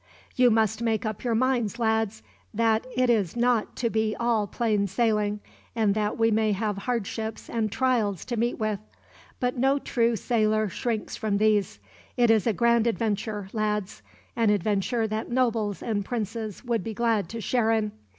"You must make up your minds, lads, that it is not to be all plain sailing, and that we may have hardships and trials to meet with; but no true sailor shrinks from these. It is a grand adventure, lads an adventure that nobles and princes would be glad to share in.